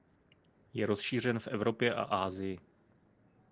Je rozšířen v Evropě a Asii.